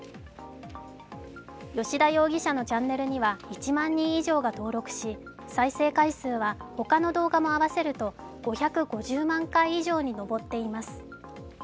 吉田容疑者のチャンネルには１万人以上が登録し再生回数は他の動画も合わせると５５０万回以上に上っています。